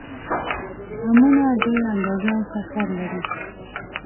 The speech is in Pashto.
امونه ډېره اندازه شکر لري